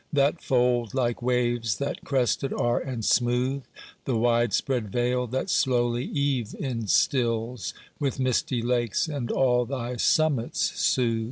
That fold, like waves that crested are and smooth, The wide spread vale that slowly eve instils With misty lakes, and all thy summits sooth.